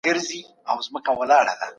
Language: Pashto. جبري مطالعه یوازې د ازموینې لپاره وي.